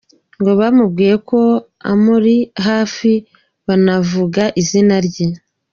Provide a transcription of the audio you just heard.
Ngo bamubwiye ko amuri hafi banavuga izina rye.